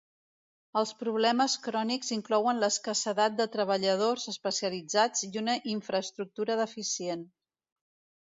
Els problemes crònics inclouen l'escassedat de treballadors especialitzats i una infraestructura deficient.